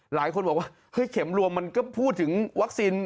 หลายคนบอกว่าเฮ้ยเข็มรวมมันก็พูดถึงวัคซีน